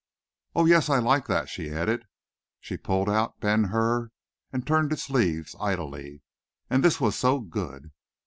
"Oh, yes, I liked that," she added. She pulled out "Ben Hur" and turned its leaves idly. "And this was so good."